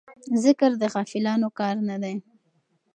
ذکر د غافلانو کار نه دی.